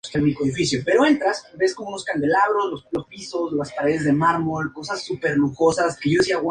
El Castillo de Nagoya se encuentra ubicado en esta prefectura.